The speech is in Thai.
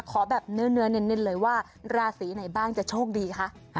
ขอแบบเนื้อเน้นเลยว่าราศีไหนบ้างจะโชคดีคะ